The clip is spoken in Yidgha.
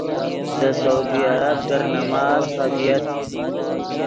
دے سعودی عرب در نماز خبییت۔